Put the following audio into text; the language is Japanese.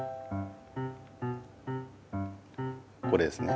これですね。